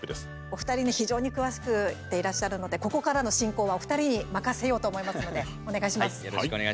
お二人は非常に詳しくていらっしゃるのでここからの進行はお二人に任せようと思いますのでお願いします。